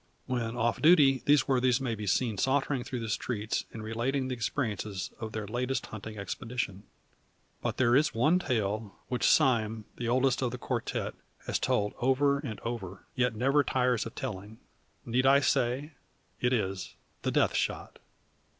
When off duty these worthies may be seen sauntering through the streets, and relating the experiences of their latest hunting expedition. But there is one tale, which Sime, the oldest of the quartette, has told over and over yet never tires telling. Need I say, it is the "Death Shot?"